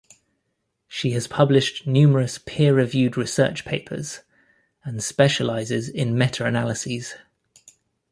She has published numerous peer-reviewed research papers and specializes in meta-analyses.